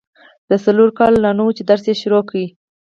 د څلورو کالو لا نه وه چي درس يې شروع کی.